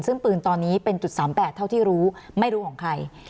ซึ่งปืนตอนนี้เป็น๓๘เท่าที่รู้ไม่รู้ของใคร